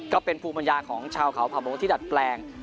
ก็เป็นภูมิปัญญาของชาวเขาผ่าโมที่ดัดแปลง